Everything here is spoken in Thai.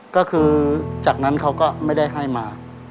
ก็คือจากนั้นเขาก็ไม่ได้ให้มา